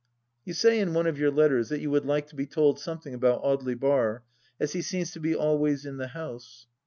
You say in one of your letters that you would like to be told something about Audely Bar, as he seems to be always in the house.